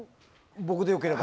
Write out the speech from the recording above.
僕でよければ。